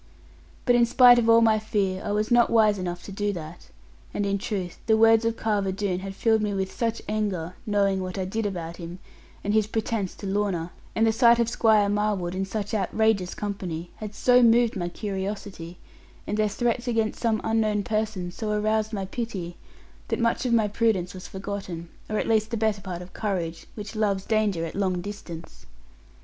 But in spite of all my fear, I was not wise enough to do that. And in truth the words of Carver Doone had filled me with such anger, knowing what I did about him and his pretence to Lorna; and the sight of Squire Marwood, in such outrageous company, had so moved my curiosity, and their threats against some unknown person so aroused my pity, that much of my prudence was forgotten, or at least the better part of courage, which loves danger at long distance.